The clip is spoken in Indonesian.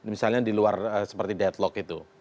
misalnya di luar seperti deadlock itu